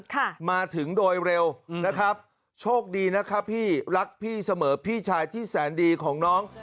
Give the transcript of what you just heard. ค่ะมาถึงโดยเร็วอืมนะครับโชคดีนะครับพี่รักพี่เสมอพี่ชายที่แสนดีของน้อง